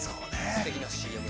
◆すてきなＣＭ。